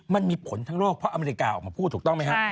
มันมีผลทั้งโลกเพราะอเมริกาออกมาพูดถูกต้องไหมครับ